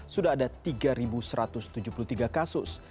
sudah ada tiga satu ratus tujuh puluh tiga kasus